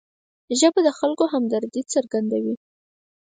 ژبه د خلکو همدردي څرګندوي